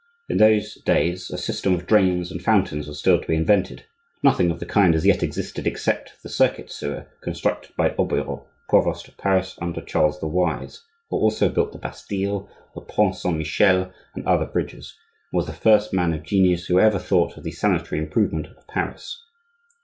In those days a system of drains and fountains was still to be invented; nothing of the kind as yet existed except the circuit sewer, constructed by Aubriot, provost of Paris under Charles the Wise, who also built the Bastille, the pont Saint Michel and other bridges, and was the first man of genius who ever thought of the sanitary improvement of Paris.